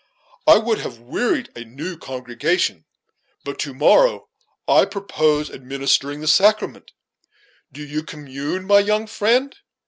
It would have wearied a new congregation; but to morrow I purpose administering the sacrament, Do you commune, my young friend?"